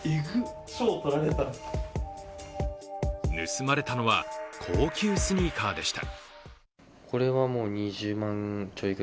盗まれたのは、高級スニーカーでした。